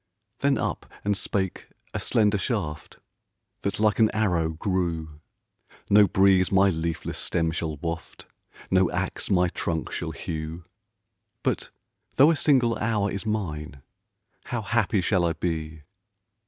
Then up and spake a slender shaft, That like an arrow grew; "No breeze my leafless stem shall waft, No ax my trunk shall hew But though a single hour is mine, How happy shall I be!